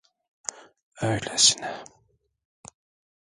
Öylesine…